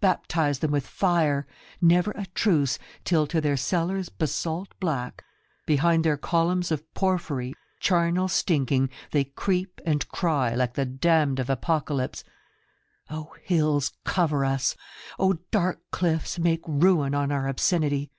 baptise them with fire; never a truce Till to their cellars basalt black, behind their columns of porphyry Charnel stinking, they creep and cry like the damned of apocalypse, 'O Hills, cover us! O dark cliffs, make ruin on our obscenity!'